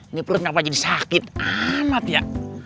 ini perut ngapain jadi sakit amat ya